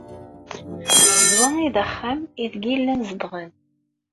D wa ay d axxam aydeg llan zedɣen.